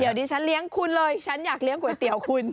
เดี๋ยวดิฉันเลี้ยงคุณเลยฉันอยากเลี้ยงก๋วยเตี๋ยวคุณ